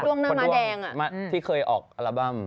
ช่วงหน้าม้าแดงที่เคยออกอัลบั้ม